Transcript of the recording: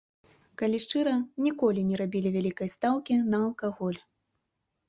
Калі шчыра, ніколі не рабілі вялікай стаўкі на алкаголь.